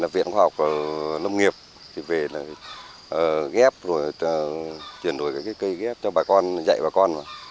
viện khoa học lâm nghiệp về ghép chuyển đổi cây ghép cho bà con dạy bà con